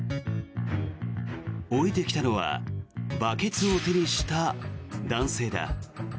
降りてきたのはバケツを手にした男性だ。